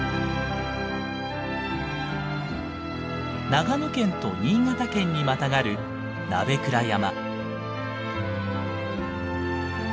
長野県と新潟県にまたがる鍋倉山。